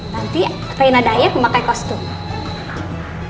nanti faina dayak memakai kostum